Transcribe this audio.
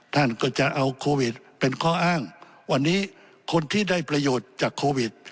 ท่านก็จะเอาโควิดเป็นข้ออ้างวันนี้คนที่ได้ประโยชน์จากโควิด